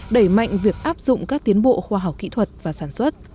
đẩy mạnh việc áp dụng các tiến bộ khoa học kỹ thuật và sản xuất